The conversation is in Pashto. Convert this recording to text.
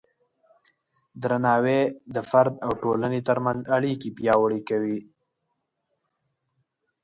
درناوی د فرد او ټولنې ترمنځ اړیکې پیاوړې کوي.